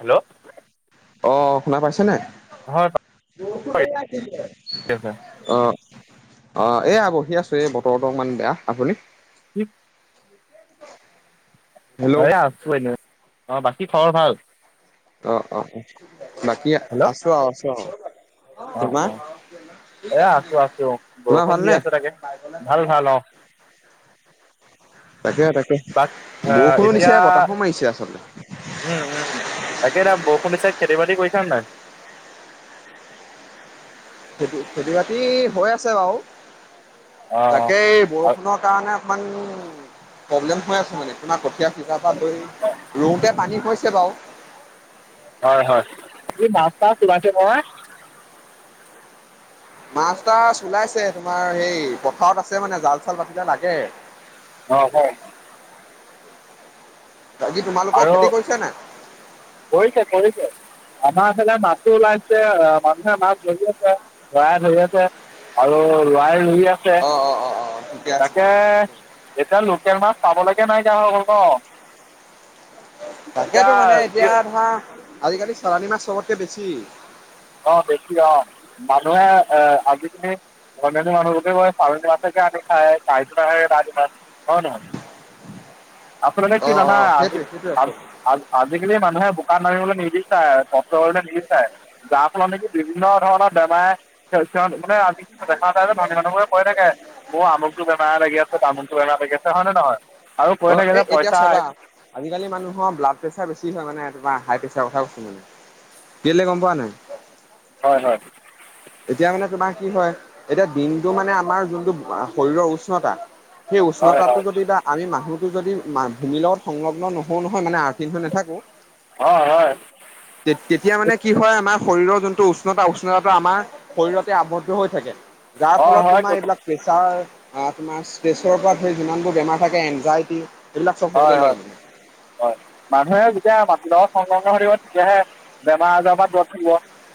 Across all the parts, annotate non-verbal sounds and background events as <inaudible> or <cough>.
Hello. অ' শুনা পাইছেনে? হয় আছে অ', অ' এইয়া বহি আছোঁ, এই বতৰটো অকণমান বেয়া। আপুনি? হি হেল্ল' এই আছোঁ এনে। অ' বাকী খবৰ ভাল? অ', অ', বাকী হেল্ল' আছোঁ আৰু আছোঁ আৰু। অ', তোমাৰ? অ', এ, আছোঁ আছোঁ, তোমাৰ বৰষুণ দি ভালনে? আছে তাকে, ভাল ভাল অ'। তাকে তাকে। বাক আহ বৰষুণো এতিয়া দিছে বতাহো মাৰিছে আচলতে। উম, উম। তাকে এতিয়া বৰষুণ দিছে খেতি বাতি কৰিছা নে নাই? খেতি খেতি বাতি হৈ আছে বাৰু। অ তাকে এই অ বৰ ষুণৰ কাৰণে অকমান প্ৰব্লেম হৈ আছ মানে তোমাৰ কঠীয়া সিচাৰ পৰা লৈ, ৰুওঁতে পানী হৈছে বাৰু। হয় হয়। এই মাছ টাছ ওলাইছে নহয়। মাছ টাছ ওলাইছে, তোমাৰ সেই পথাৰত আছে মানে জাল চাল পাতিলে লাগে। অ' কওঁক। বাকী তোমালোকৰ আৰু খেতি কৰিছানে নাই? কৰিছে কৰিছে। আমাৰ ফালে মাছো ওলাইছে আহ, মানুহে মাছ ধৰি আছে, ধৰাই ধৰি আছে। আৰু লোৱাই ধৰি আছে। অ অ', অ', অ'। আছে তাকে ঠিকে আছে। এতিয়া লোকেল মাছ পাবলৈকে নাইকিয়া হৈ গ'ল ন'? এতিয়া তাকেতো মানে কি এতিয়া ধৰা আজিকালি চালানী মাছ চবতকে বেছি। অ' বেছি অ' মানুহে এ, আজিকালি ধনী ধনী মানুহবোৰ চালনী মাছকে আনি খাই, চাৰিশ টকাকে আৰি মাছ হয় নে নহয়? আচলতে কি অ', জানা অ', আজি সেইটোৱে সেইটোৱে আচল আ-আ-আ আজিকালি মানুহে বোকাত নামিবলৈ নিবিচাৰে আৰু কষ্ট কৰিবলৈ নিবিচাৰে। যাৰ ফলত নেকি বিভিন্ন ধৰণৰ বেমাৰে <unintelligible> মানে আজি দেখা নাই, ধনী মানুহবোৰে কৈ থাকে। মোৰ আমুকটো বেমাৰ লাগি আছে, তামুকটো বেমাৰ লাগি আছে হয় নে নহয়? আৰু কৈ অ' থাকে এ, যে এতিয়া পইচা চাবা আজিকালি মানুহৰ ব্লাড প্ৰেছাৰ বেছি হয় মানে তোমাৰ হাই প্ৰেছাৰৰ কথা কৈছোঁ মানে। কেলে গম পোৱা নাই? হয় হয়। এতিয়া মানে তোমাৰ কি হয়, এতিয়া দিনটো মানে আমাৰ যোনটো আ, শৰীৰৰ উষ্ণতা সেই হয় উষ্ণতাটো হয় যদি বা আমি মানুহটো যদি মা, ভূমিৰ লগত সংলগ্ন নহওঁ নহয় মানে, আৰ্থিং হৈ নাথাকোঁ হয়, হয়। তে-তেতিয়া মানে কি হয়, আমাৰ শৰীৰৰ যোনটো উষ্ণতা, উষ্ণতাটো আমাৰ শৰীৰতে আবদ্ধ হৈ থাকে। যাৰ হয় ফলত তোমাৰ হয় এইবিলাক প্ৰেছাৰ আ, তোমাৰ ষ্ট্ৰেছৰ পৰা ধৰি যিমানবোৰ বেমাৰ থাকে, এনজাইটি এইবিলাক চব হ'বলৈ হয় লয় আৰু মানে। হয় মানুহে যেতিয়া মাটিৰ লগত সংলগ্ন হৈ থাকিব, তেতিয়াহে বেমাৰ-আজাৰ পৰা দুৰত থাকিব।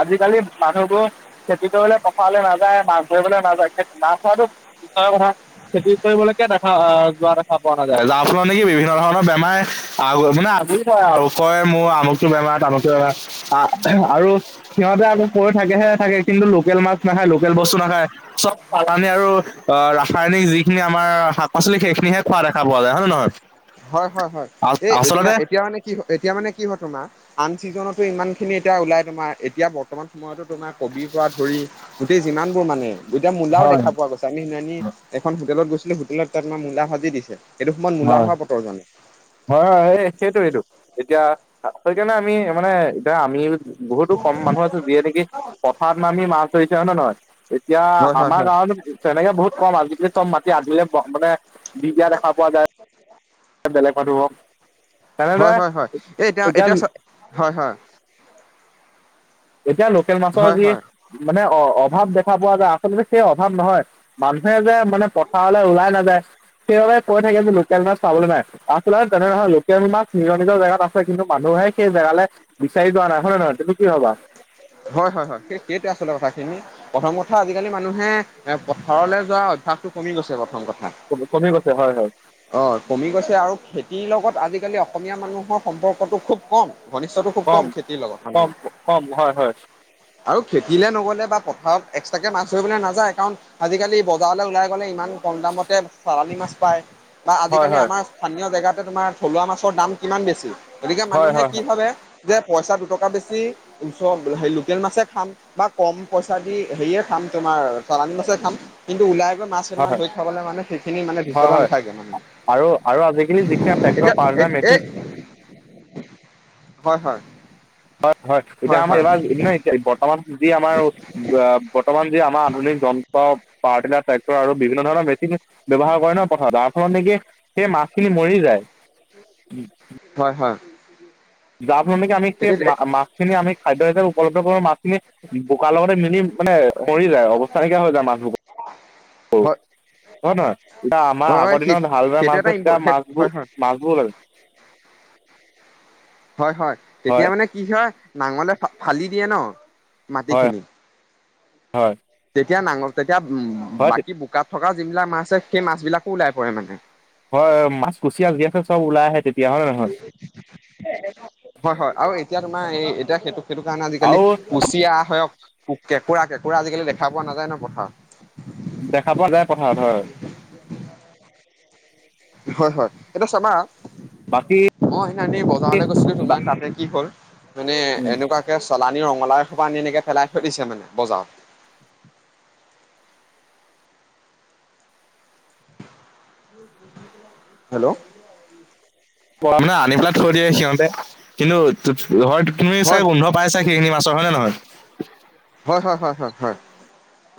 আজিকালি মানুহবোৰ খেতি কৰিবলৈ পথাৰলৈ নাযায়, মাছ ধৰিবলৈ নাযায়, খেত মাছ ধৰাটো পিছৰে কথা। খেতি কৰিবলৈকে দেখা আহ যোৱা দেখা পোৱা নাযায়। যাৰ ফলত নেকি বিভিন্ন ধৰণৰ বেমাৰে আগ মানে, আগৰি ধৰে আৰু কয় মোৰ আমুকটো বেমাৰ, তামুকটো বেমাৰ আহ আৰু সিহঁতে আকৌ কৈ থাকেহে থাকে। কিন্তু লোকেল মাছ নাখায়, লোকেল বস্তু নাখায়। চব চালানি আৰু অ' ৰাসায়নিক যিখিনি আমাৰ শাক-পাচলি, সেইখিনিহে খোৱা দেখা পোৱা যায়, হয় নে নহয়। হয়, হয়, হয়। এই এতিয়া, আচলতে এতিয়া মানে কি হয়, এতিয়া মানে কি হয় তোমাৰ, আন ছিজনতো ইমান খিনি এতিয়া ওলাই তোমাৰ, এতিয়া বৰ্ত বৰ্তমান সময়তো তোমাৰ কবিৰ পৰা ধৰি, গোটেই যিমান বোৰ মানে, এতিয়া মূলাও হয় দেখা পোৱা গৈছে। টানি নানি, এখন হোটেলত গৈছিলোঁ, হোটেলত তাত আমাক মূলা ভাজি দিছে, এইটো সময়ত মূলা হয় হোৱা বতৰ জানো! হয়, হয় এ সেইটো, এতিয়া আ সেইকাৰণে আমি মানে এতিয়া আমিও বহুতো কম মানুহ আছে যিয়ে নেকি, পথাৰত নামি মাছ ধৰিছে হয়নে নহয়? এতিয়া হয় হয় আমাৰ হয় গাঁৱতো তেনেকে বহুত কম, আজিকালি চব মাটি আধিলে ব, মানে দি দিয়া দেখা পোৱা যায় বেলেগ মানুহক। তেনেদৰে হয়, হয়, হয়। এই এতিয়া এতিয়া চ হয়, হয়। এতিয়া লোকেল মাছৰ হয় যি হয় মানে, অ-অভাৱ দেখা পোৱা যায়, আচলতে সেই অভাৱ নহয়। মানুহে যে মানে পথাৰলৈ ওলাই নাযায়, সেইবাবে কৈ থাকে যে লোকেল মাছ পাবলৈ নাই। আচলতে তেনে নহয়, লোকেল মাছ নিজৰ নিজৰ জেগাত আছে। কিন্তু মানুহে সেই জেগালে বিচাৰি যোৱা নাই হয়নে নহয়, তুমি কি ভাবা? হয়, হয়, হয়। এ এইটো আচলতে কথাখিনি। প্ৰথম কথা, আজিকালি মানুহে এ পথাৰলৈ যোৱা অভ্যাসটো কমি গৈছে, প্ৰথম কথা। ক-কমি কমি গৈছে হয়, হয়। অ', কমি গৈছে আৰু খেতিৰ লগত আজিকালি অসমীয়া মানুহৰ সম্পৰ্কটো খুব কম। ঘনিষ্ঠটো খুব কম, খেতিৰ লগত কম, মানুহৰ কম হয়, হয়। আৰু খেতিলে নগ'লে বা পথাৰত এক্সট্ৰাকে মাছ ধৰিবলৈ নাযায়, কাৰণ আজিকালি বজাৰলৈ ওলাই গ'লে ইমান কম দামতে চালানী মাছ পায় বা হয় আজিকালি হয় আমাৰ স্থানীয় জেগাতে তোমাৰ থলুৱা মাছৰ দাম কিমান বেছি, গতিকে হয় মানুহে হয় কি হয় ভাবে যে পইচা দুটকা বেছি ওচৰ, হেৰি লোকেল মাছে খাম। বা কম পইচা দি হেৰিয়ে খাম, তোমাৰ চালানী মাছে খাম। কিন্তু ওলাই গৈ মাছ হয় কেইটামান হয় ধৰি খাবলে মানে সেইখিনি মানে হয় ধিষ্ট্ৰাতা হয়। নাথাকে মানে। আৰু, আৰু আজিকালি যিখিনি ট্ৰেক্টৰ পাৱাৰটিলাৰ এতিয়া এই মেচিন হয়, হয়। হয়, হয়। এতিয়া আমাৰ <inaudible> এতিয়া বত আমাৰ, যি আমাৰ ব-বৰ্তমান যি আমাৰ আধুনিক যন্ত্ৰ পাৱাৰ টিলাৰ ট্ৰেক্টৰ আৰু বিভিন্ন ধৰণৰ মেচিন ব্যৱহাৰ কৰে ন' পথাৰত, যাৰ ফলত নেকি সেই মাছখিনি মৰি যায়। হয়, হয়। যাৰ ফলত আমি কি আমি সেই এতিয়া মা মা ছ খিনি আমি খাদ্য হিচাপে উপলব্ধ কৰোঁ মাছখিনি বোকাৰ লগতে মিলি মানে মৰি যায়, অৱস্থা নাইকীয়া হৈ যায় মাছবোৰ। হয় নহয়, এতিয়া আমাৰ হয় হয় আগৰ দিনত হাল বাই সেইটো মাছ এটা ধৰে ইম্প তেতিয়া হয় মাছবোৰ হয় মাছ <unintelligible> হয়, হয়, তেতিয়া হয় মানে কি হয় নাঙলে ফালি দিয়ে ন' হয় মাটিখিনি। হয়। তেতিয়া নাঙল তেতিয়া উম, হয় বাকী বোকাত থকা যিবিলাক মাছ আছে সেই মাছ বিলাকো ওলাই পৰে মানে। হয়, মাছ কুচিয়া যি আছে চব ওলাই আহে তেতিয়া হয় নে নহয়? হয়, হয়, আৰু এতিয়া তোমাৰ এই এতিয়া সেইটো সেইটো কাৰণে আজিকালি আৰু কুচিয়া হওক, কেঁকোৰা কেঁকোৰা আজিকালি দেখা পোৱা নাযায় ন' পথাৰত? দেখা পোৱা যায় পথাৰত হয়। হয়, হয়, এতিয়া চাবা। বাকী মই সেইদিনা বজাৰলৈ গৈছিলো তোমাৰ তাতে কি হ'ল মানে এনেকুৱা কে চালানী ৰঙলাাও এসোপা আনি এনেকে পেলাই থৈ দিছে মানে বজাৰত। হেল্ল'? মানে আনি পেলাই থৈ দিয়ে সিহঁতে কিন্তু হয়, তুমি চাগে হয় গোন্ধ পাইছা সেইখিনি মাছৰ হয় নে নহয়? হয়, হয়, হয়, হয়, হয়,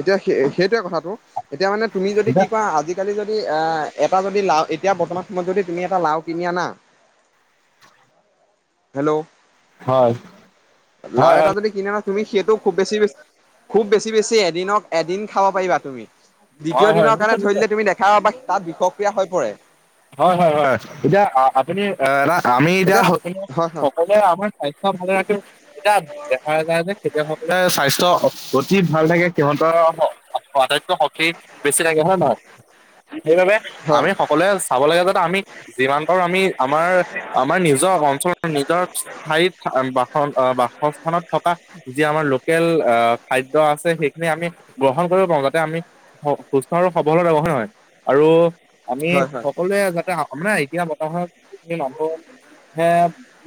এতিয়া সেই সেইটোৱে কথাটো এতিয়া মানে তুমি যদি কি কৰা আজি আজিকালি যদি আ, এটা যদি লাও এতিয়া বৰ্তমান সময়ত যদি তুমি এটা লাও কিনি আনা। হেল্ল' হয় লাও হয় এটা হয় যদি কিনা তুমি সেটো খুব বেছি বেছি খুব বেছি বেছি এদিন অ', এদিন খাব পাৰিবা তুমি। দ্বিতীয় হয় হয় দিনৰ নিশ্চয় কাৰণে থৈ নিশ্চয় দিলে তুমি দেখা পাবা তাত বিষক্ৰিয়া হৈ পৰে। হয়, হয়, হয়, এতিয়া আ আপুনি আ আমি এতিয়া <unintelligible> হয় হয় এতিয়া আপোনাৰ স্বাস্থ্য ভালে ৰাখিব এতিয়া দেখা যায় যে খেতিয়ক সকলে স্বাস্থ্য অতি ভাল থাকে সিহঁতৰ আটাইত কৈ শক্তি বেছি থাকে হয় নে নহয়? সেইবাবে আমি হয় সকলোৱে চাব লাগে যাতে আমি যিমান পাৰোঁ আমি আমাৰ আমাৰ নিজৰ অঞ্চল নিজৰ স্থায়ী বাস-বাসস্থানত থকা যি আমাৰ লোকেল আ, খাদ্য আছে সেইখিনি আমি গ্ৰহণ কৰিব পাৰো যাতে আমি সুস্থ আৰু সবল হৈ থাকোঁ হয় নে নহয়? আৰু আমি হয় হয় সকলোৱে যাতে মানে এতিয়া বৰ্তমান যিখিনি মানুহে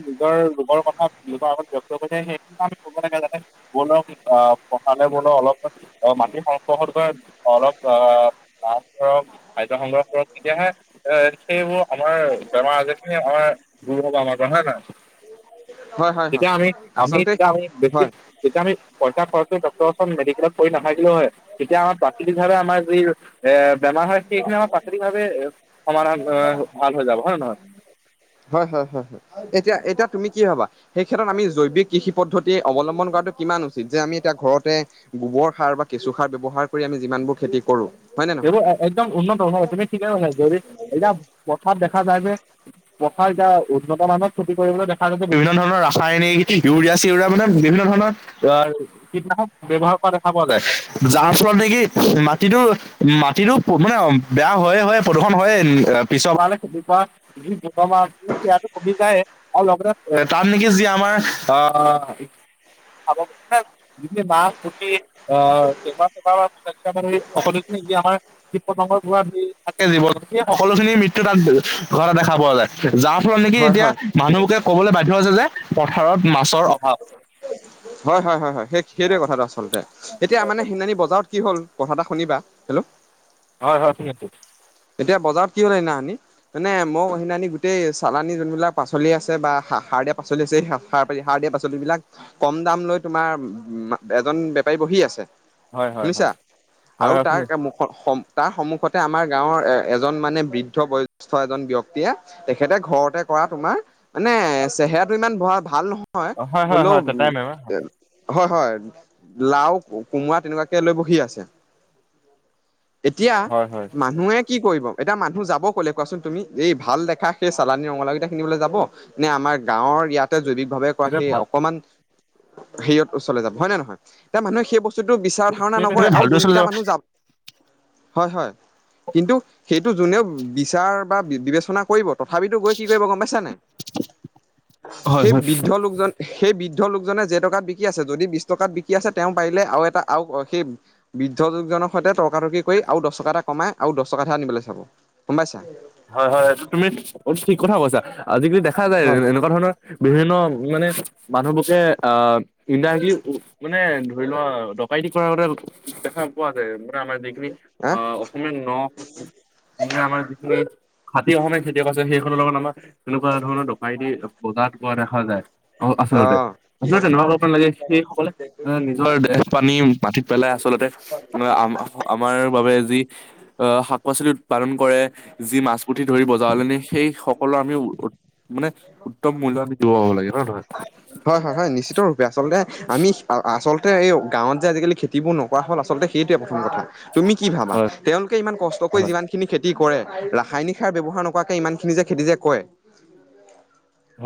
নিজৰ ৰোগৰ কথা <unintelligible> অ', মাটি সংস্পৰ্শক কৰা অলপ আহ, লাভ কৰক খাদ্য সংগ্ৰহ কৰক তেতিয়াহে এ সেইবোৰ আমাৰ বেমাৰ আজাৰ খিনি আমাৰ দূৰ হ'ব আমাৰ পৰা হয় নে নহয়? হয় হয় হয় হয় তেতিয়া আমি আমি আচলতে তেতিয়া আমি বেছি হয় তেতিয়া আমি পইচা খৰচ কৰি ডক্তৰ ওচৰত মেডিকেলত পৰি নাথাকিলো হয়। তেতিয়া আমাৰ প্ৰাকৃতিভাৱে আমাৰ যি এ বেমাৰ হয়, সেইখিনি আমাৰ প্ৰাকৃতিক ভাৱে সমাধান ভাল হৈ যাব হয় নে নহয়? হয়, হয়, হয়, হয়, এতিয়া এতিয়া তুমি কি ভাবা? সেই ক্ষেত্ৰত আমি জৈৱিক কৃষি পদ্ধতি অৱলম্বন কৰাটো কিমান উচিত যে আমি এতিয়া ঘৰতে গোবৰ সাৰ বা কেঁচু সাৰ ব্যৱহাৰ কৰি আমি যিমান বোৰ খেতি কৰো হয় নে এইবোৰ নহয়। এ- একদম উন্নত হব তুমি ঠিকে কৈছা যদি এতিয়া পথাত দেখা যায় যে পথাৰ এতিয়া উন্নত মানত খেতি কৰিবলৈ দেখা যায় যে দুই ধৰণৰ ৰাসায়নিক ইউৰিয়াছ চিউৰিয়া বিলাক মানে বিভিন্ন ধৰণৰ অ', কীটনাশক ব্যৱহাৰ কৰা দেখা পোৱা যায়। যাৰ ফলত নেকি মাটিতো মাটিতো মানে, বেয়া হয়ে হয়, প্ৰদূষণ হয়ে পিছৰ বাৰলে খেতি কৰা <unintelligible> সেইয়াটো পকি যাইয়ে। আৰু লগতে এ তাত নেকি যি আমাৰ আহ খাব মানে বাহ পু্তি অ', পেপাৰ সেপাৰ মানে সকলো ধৰি <unintelligible> যি আমাৰ কিত পতংগৰ হেই থাকে জীৱ সেই সকলো খিনি মৃত্যু তাত গৈ ঘৰতে দেখা পোৱা যায় যাৰ ফলত নেকি হয় এতিয়া হয় মানুহবুকে ক'বলৈ বাধ্য হৈছে যে পথাৰত মাছৰ অভাৱ। হয় হয় হয় হয়, সে সেইটোৱে কথাটো আচলতে এতিয়া মানে সেইনানি বজাৰত কি হল কথা এটা শুনিবা হেল্ল' হয়, হয় <unintelligible> এতিয়া বজাৰত কি হ'ল সেইদিনা হানি মানে মই সেইদিনি গোটেই চালানী যোনবিলাক পাচলি আছে বা সাৰ দিয়া পাচলি আছে স। সাৰ পাৰি সাৰ দিয়া পাচলিবিলাক কম দাম লৈ তোমাৰ মা এজন বেপাৰী বহি আছে। হয় হয় হয় শুনিছা হয় আৰু হয় তাৰ শুনি আছো তাৰ সন্মুখতে আমাৰ গাঁওৰ এ এজন মানে বৃদ্ধ বয়োজেষ্ঠ এজন ব্যক্তিয়ে তেখেতে ঘৰতে কৰা তোমাৰ মানে চেহেৰাটো ইমান বৰ ভাল নহয় হয় হয় হয় তাই মেম হ'লেও হয় হয়। লাও কোমোৰা তেনেকুৱাকে লৈ বহি আছে। এতিয়া। হয়, হয়। মানুহে কি কৰিব? এতিয়া মানুহ যাব ক'লে কোৱাচোন তুমি? এই ভাল দেখা সেই চালানী ৰঙালাউকেইটা কিনিবলৈ যাব! নে আমাৰ গাঁৱৰ ইয়াতে জৈবিক ভাৱে তেতিয়া সেই ভাল অকমান হেৰিয়ত ওচৰলে যাব হয় নে নহয়? এতিয়া মানুহে সেই বস্তু সেটো বিচাৰ ধাৰণা নকৰে তেতিয়া আৰু ভালটো চলি যোনকেইটা যাব মানুহ যা হয় হয় কিন্তু, সেইটো যোনে বিচাৰ বা বিবেচনা কৰিব তথাপিতো গৈ কি কৰিব গম পাইছানে নাই? হয় সেই হয় বৃদ্ধ লোকজন সেই বৃদ্ধলোকজনে যে টকাত বিকি আছে, যদি বিছ টকাত বিকি আছে তেওঁ পাৰিলে আৰু এটা আৰু এটা সেই বৃদ্ধ লোকজনৰ সৈতে তৰ্কাতৰ্কি কৰি, আৰু দছ টকা এটা কমাই আৰু দছ টকা এটাহে আনিবলৈ চাব গম পাইছা! হয়, হয়, এইটো তুমি অ', ঠিক কথা কৈছা। আজিকালি দেখা যায় হয় এনেকুৱা ধৰণৰ বিভিন্ন মানে মানুহলুকে আহ ইণ্ডাইৰেক্টলি উম মানে ধৰি লোৱা ডকাইতি কৰা আগতে দেখা নোপোৱা ছাগে আমাৰ যিখিনি আহ অ', অসমীয়া ন' মানে আমাৰ যিখিনি খাতি অসমীয়া খেতিয়ক আছে সেইখনৰ লগত আমাৰ তেনেকুৱা ধৰণৰ ডকাইতি বজাৰত হোৱা দেখা যায়। অ' আচলতে আচলতে তেনেকুৱা কৰিব নালাগে সেই সকলে এ নিজৰ দেহ পানী মাটিত পেলাই আচলতে আ আমাৰ বাবে যি আ শাক পাচলি উৎপাদন কৰে। যি মাছ-পুঠি ধৰি বজাৰলে নিয়ে সেই সকলৰ আমি উ মানে উত্তম মূল্যত বিকিব লাগে হয় নহয় হয়- হয়- হয়। নিশ্চিত ৰূপে। আচলতে আমি আচল তে এই গাঁৱত যে আজিকালি খেতিবোৰ নকৰা হ'ল আচলতে সেইটোৱে প্ৰথম কথা তুমি কি ভাবা? তেওঁলোকে ইমান কষ্ট কৰি যিমান খিনি খেতি যে কৰে! ৰাসায়নিক সাৰ ব্যৱহাৰ নকৰাকৈ ইমান খিনি যে খেতি যে কৰে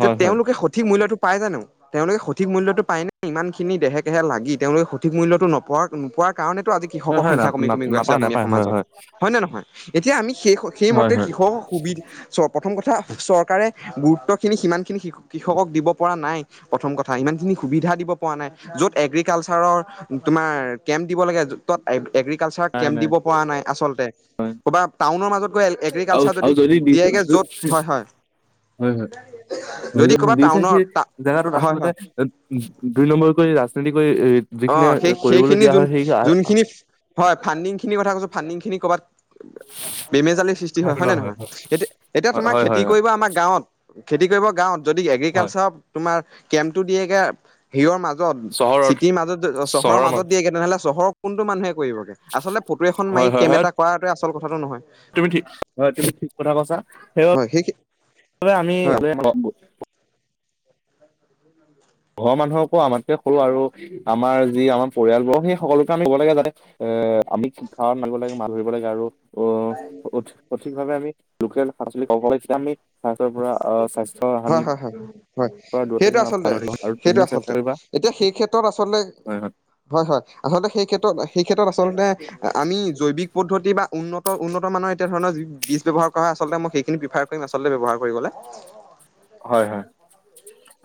যে হয় হয় তেওঁলোকে সঠিক মূল্যটো পাই জানো? তেওঁলোক সঠিক মূল্যটো পায় নে ইমান খিনি দেহে কেহে লাগি তেওঁলোকে সঠিক মূল্যটো নপোৱা নোপোৱা কাৰণেই তো, আজি হয় কৃষকৰ হয় না সংখ্যা কমি কমি গৈ আছে নাপায় অসমীয়া নাপায় হয় সমাজত হয় হয়নে নহয়? এতিয়া আমি সেই হয় স-সেইমতে হয় কৃষক সুবিধ চোৱা প্ৰথম কথা, চৰকাৰে গুৰুত্বখিনি সিমানখিনি কৃষকক দিব পৰা নাই। প্ৰথম কথা ইমানখিনি সুবিধা দিব পৰা নাই য'ত এগ্ৰিকালচাৰৰ তোমাৰ কেম্প দিব লাগে যত এগ্ৰিকালচাৰক নাই কেম্প নাই দিব পৰা নাই আচলতে ক'বাত টাউনৰ মাজত গৈ এল আও আও যদি হয় <unintelligible> হয় হয় হয়। হয় যদি <unintelligible> ক'ৰবাত দিছে টাউনৰ সেই জেগাটোত হয় আচলতে হয় দুই নম্বৰ কৰি ৰাজনীতি কৰি যিখিনি অ', কৰিবলৈ সেই-সেইখিনি দিয়া হয় সেই যোনখিনি হয়, ফাণ্ডিং খিনিৰ কথা কৈছো ফাণ্ডিং খিনি কৰ'ৰবাত বেমেজালিৰ সৃষ্টি খাই হয় হয় পেলোৱা নে নহয় এতিয়া এতিয়া হয় তোমাৰ হয় খেতি হয় হয় কৰিব আমাৰ গাঁৱত। খেতি কৰিব গাঁৱত যদি হয় এগ্ৰিকালচাৰ তোমাৰ কেম্পটো দিয়েগে ভিৰৰ মাজত <inaudible> <unintelligible> মাজত <unintelligible> চহৰৰ মাজত দিয়েগে টি মাজত জ চহৰৰ মাজত দিয়েগে তেনেহলে চহৰৰ কোনটো মানুহে কৰিবগে আচলতে ফটো এখন মায়ী হয় হয় কেম্প হয় এটা <unintelligible> কৰাটোৱে আচল কথাটো নহয় তুমি ঠিক <unintelligible> হয় তুমি ঠিক কথা কৈছা সেই <unintelligible> আমি হয় <unintelligible> <unintelligible> ঘৰৰ মানুহকো আমাতকে সৰু আৰু আমাৰ যি আমাৰ পৰিয়ালবোৰক সেই সকলোকে আমি ক'ব লাগে যাতে এ আমি <unintelligible> মাৰিব লাগে <unintelligible> ধৰিব লাগে আৰু- অ- সঠ সঠিক ভাৱে আমি লোকেল পাচলি খাব লাগে আমি সেতৰ পৰা আহ স্বাস্থ্য হা হানিৰ হা হা হয় পৰা দূৰত সেইটো থাকিম আচলতে আৰু সেইটো তুমিও চেষ্টা আচলতে কৰিবা এতিয়া সেই ক্ষেত্ৰত আচলতে হয় হয় হয় হয় আচলতে সেই ক্ষেত্ৰত সেই ক্ষেত্ৰত আচলতে আমি জৈৱিক পদ্ধতি বা উন্নত উন্নত মানৰ এতিয়া ধৰণৰ বীজ ব্যৱহাৰ কৰা আচলতে মই সেইখিনি প্ৰিফাৰ কৰিম আচলতে ব্যৱহাৰ কৰিবলে হয় হয়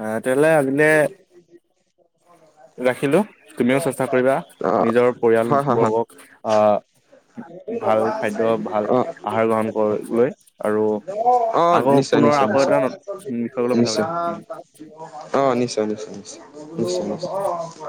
এ তেয়া লে আজিলে ৰাখিলো তুমিও চেষ্টা কৰিবা অ' নিজৰ পৰিয়াল হয় হয় হয়। বৰ্গক আহ ভাল খাদ্য ভাল অ' আহাৰ গ্ৰহণ কৰি লৈ আৰু অ' আকৌ নিশ্চয় পুনৰ নিশ্চয় আকৌ নিশ্চয়। এটা নত কি বিষয় লৈ কথা নিশ্চয় পাতিম উম অ নিশ্চয় নিশ্চয় নিশ্চয় নিশ্চয় নিশ্চয়